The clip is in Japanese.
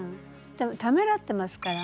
ためらってますから。